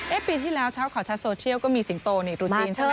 ปีที่แล้วเช้าข่าวชัดโซเชียลก็มีสิงโตนี่ตรุษจีนใช่ไหม